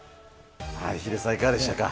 ヒデさん、いかがでしたか？